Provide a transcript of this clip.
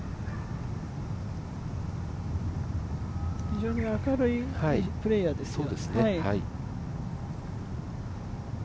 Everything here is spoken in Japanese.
非常に明るいプレーヤーですね。